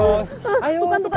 tukan tukan tukan